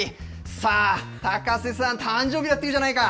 さあ、高瀬さん、誕生日だっていうじゃないか。